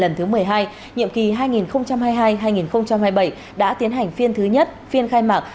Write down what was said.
lần thứ một mươi hai nhiệm kỳ hai nghìn hai mươi hai hai nghìn hai mươi bảy đã tiến hành phiên thứ nhất phiên khai mạc